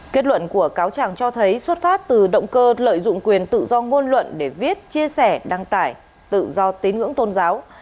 kết luận của cáo trạng cho thấy xuất phát từ động cơ lợi dụng quyền tự do ngôn luận để viết chia sẻ đăng tải tự do tín ngưỡng tôn giáo